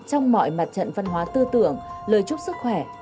trong mọi mặt trận văn hóa tư tưởng lời chúc sức khỏe